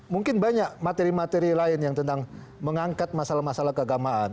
mungkin banyak materi materi lain yang tentang mengangkat masalah masalah keagamaan